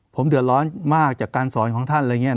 ผมเดือดร้อนมากจากการสอนของท่านอะไรอย่างนี้